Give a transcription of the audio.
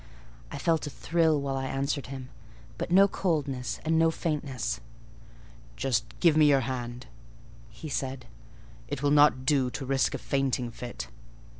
I felt a thrill while I answered him; but no coldness, and no faintness. "Just give me your hand," he said: "it will not do to risk a fainting fit."